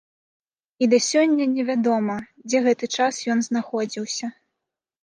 І да сёння невядома, дзе гэты час ён знаходзіўся.